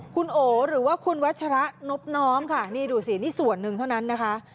คุณโอหรือว่าคุณวัชระนบน้อมค่ะนี่ดูสินี่ส่วนหนึ่งเท่านั้นนะคะ